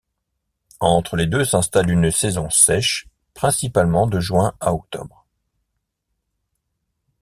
Entre les deux s'installe une saison sèche principalement de juin à octobre.